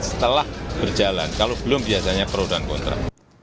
setelah berjalan kalau belum biasanya perudahan kontrak